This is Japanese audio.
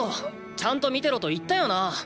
ちゃんとみてろと言ったよな？